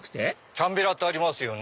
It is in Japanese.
キャンベラってありますよね。